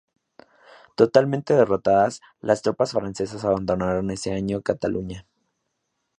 Totalmente derrotadas, las tropas francesas abandonaron ese año Cataluña.